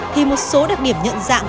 thì một số đặc điểm nhận dạng